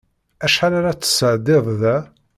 Acḥal ara tesεeddiḍ da?